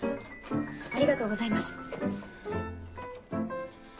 ありがとうございます。